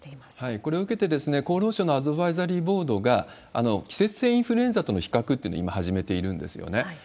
これを受けて、厚労省のアドバイザリーボードが、季節性インフルエンザとの比較というのを今始めているんですよね。